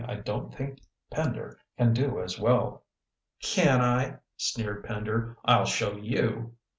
"I don't think Pender can do as well." "Can't I," sneered Pender. "I'll show you."